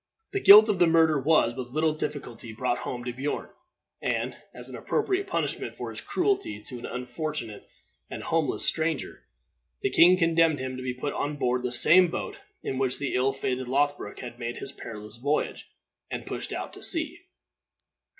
The guilt of the murder was with little difficulty brought home to Beorn; and, as an appropriate punishment for his cruelty to an unfortunate and homeless stranger, the king condemned him to be put on board the same boat in which the ill fated Lothbroc had made his perilous voyage, and pushed out to sea.